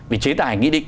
vì chế tài nghĩ định